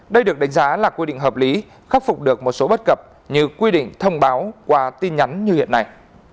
đây được đánh giá là quy định hợp lý khắc phục được một số bất cập như quy định thông báo qua tin nhắn như hiện nay